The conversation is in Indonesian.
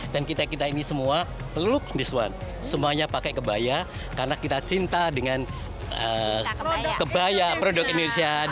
dan kita kita ini semua look this one semuanya pakai kebaya karena kita cinta dengan kebaya produk indonesia